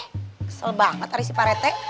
kesel banget ari si pak rete